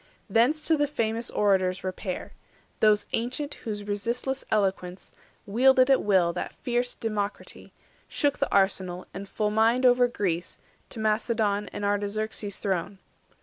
Thence to the famous Orators repair, Those ancient whose resistless eloquence Wielded at will that fierce democraty, Shook the Arsenal, and fulmined over Greece 270 To Macedon and Artaxerxes' throne.